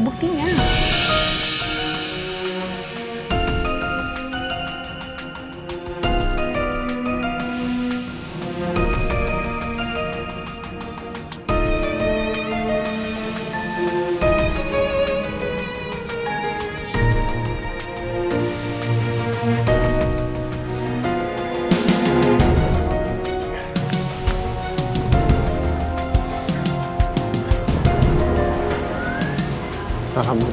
bentar bentar bentar